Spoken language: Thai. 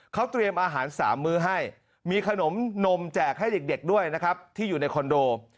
เขาเตรียมอาหาร๓มื้อให้มีขนมนมแจกให้เด็กด้วยนะครับที่อยู่ในคอนโด